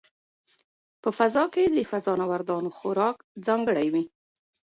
په فضا کې د فضانوردانو خوراک ځانګړی وي.